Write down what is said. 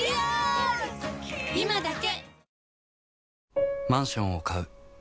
今だけ！